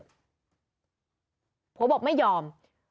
ผัวบอกไม่ยอม